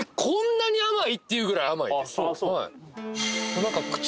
こんなに甘い？っていうぐらい甘いですあっ